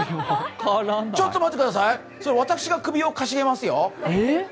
ちょっと待ってください、それは私が首をかしげますよ。